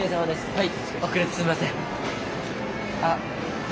はい！